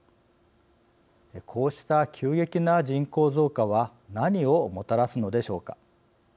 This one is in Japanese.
こうした急激な人口増加は何をもたらすのでしょうか。